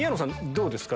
どうですか？